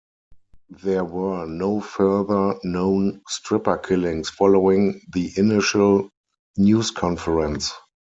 There were no further known Stripper killings following the initial news conference.